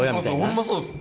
ホンマそうです。